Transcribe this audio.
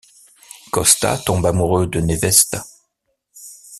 Kosta tombe amoureux de Nevesta.